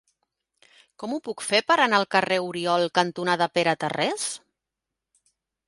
Com ho puc fer per anar al carrer Oriol cantonada Pere Tarrés?